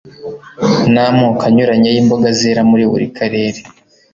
n’amoko anyuranye y’imboga zera muri buri karere,